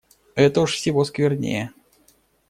Это уж всего сквернее!